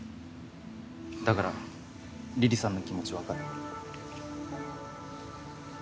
だから梨々さんの気持ち分かる。